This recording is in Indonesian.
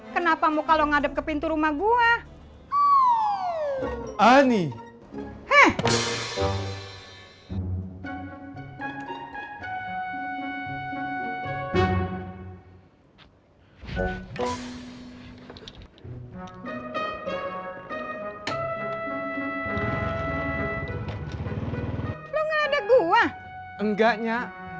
kenapa mau kalau ngadep ke pintu rumah gua